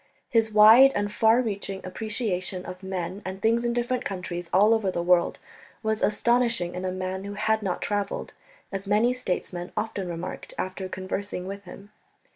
His wide and far reaching appreciation of men and things in different countries all over the world was astonishing in a man who had not travelled, as many statesmen often remarked after conversing with him.